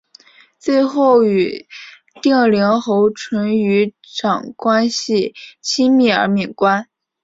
最后与定陵侯淳于长关系亲密而免官。